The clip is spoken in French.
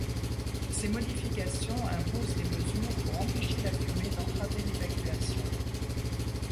Ces modifications imposent des mesures pour empêcher la fumée d'entraver l'évacuation.